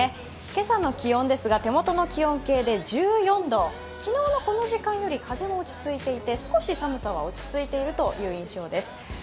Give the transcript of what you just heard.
今朝の気温ですが手元の気温計で１４度、昨日のこの時間より風も落ち着いていて少し寒さは落ち着いているという印象です。